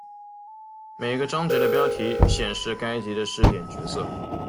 每个章节的标题显示该节的视点角色。